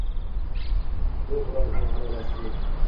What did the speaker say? Bu biroz ayb adolatsizlik.